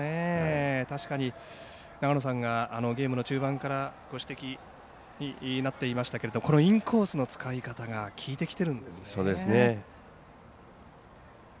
長野さんがゲームの中盤からご指摘になっていましたけどもインコースの使い方が効いてきてるんですね。